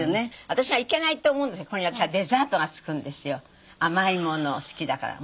私はいけないって思うんですけどこれに私はデザートがつくんですよ甘いもの好きだから。